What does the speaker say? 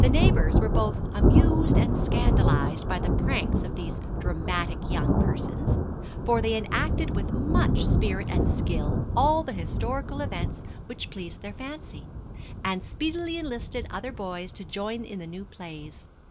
The neighbors were both amused and scandalized by the pranks of these dramatic young persons; for they enacted with much spirit and skill all the historical events which pleased their fancy, and speedily enlisted other boys to join in the new plays.